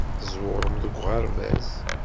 Tẓewrem deg uɣerbaz.